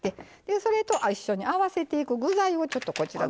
それと一緒に合わせていく具材をちょっとこちらのほうに。